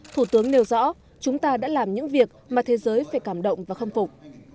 thủ tướng nêu rõ chúng ta đã làm những việc mà thế giới phải cảm động và khâm phục